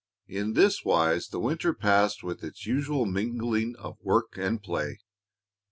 In this wise the winter passed with its usual mingling of work and play.